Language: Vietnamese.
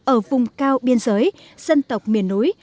ở vùng cao biên giới dân tộc miền núi